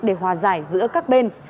để hòa giải giữa các bên